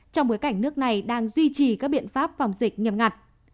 trong bối cảnh nước này đang duy trì các biện pháp phòng dịch nghiêm ngặt